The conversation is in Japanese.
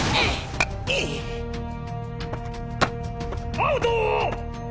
アウト！